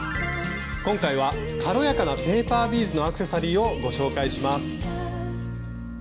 今回は軽やかな「ペーパービーズのアクセサリー」をご紹介します。